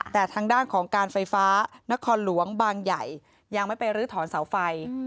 แต่ทางด้านของการไฟฟ้านครหลวงบางใหญ่ยังไม่ไปลื้อถอนเสาไฟ